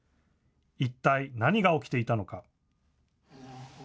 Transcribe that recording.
一体、何が起きていたのか。